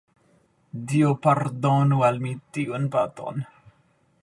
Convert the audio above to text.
Dio pardonu al mi tiun baton!